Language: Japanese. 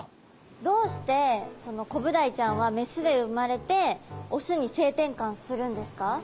どうしてそのコブダイちゃんはメスで生まれてオスに性転換するんですか？